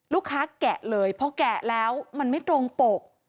ลูกค้าแกะเลยเพราะแกะแล้วมันไม่ตรงปก